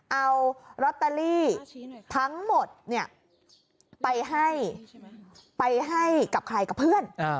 เอาลอตเตอรี่ทั้งหมดเนี่ยไปให้ไปให้กับใครกับเพื่อน